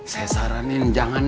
supaya dia jalan